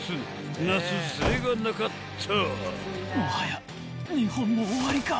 なすすべがなかった］